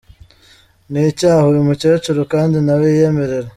Ni icyaha uyu mukecuru kandi nawe yiyemerera.